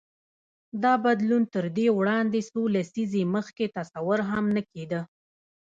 دا بدلون تر دې وړاندې څو لسیزې مخکې تصور هم نه کېده.